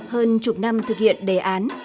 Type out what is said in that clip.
hơn chục năm thực hiện đề án